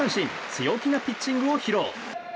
強気なピッチングを披露。